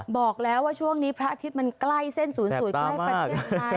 บอกแล้วว่าช่วงนี้พระอาทิตย์มันใกล้เส้นศูนย์สูตรใกล้ประเทศไทย